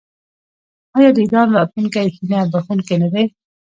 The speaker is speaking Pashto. آیا د ایران راتلونکی هیله بښونکی نه دی؟